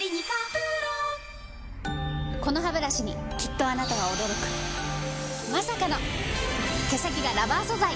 このハブラシにきっとあなたは驚くまさかの毛先がラバー素材！